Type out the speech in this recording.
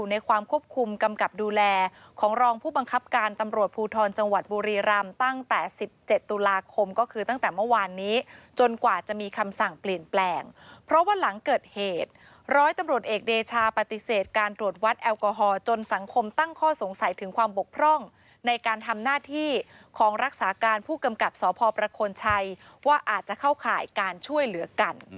ในการทำหน้าที่ของรักษาการผู้กำกับสพชว่าอาจจะเข้าข่ายการช่วยเหลือกัน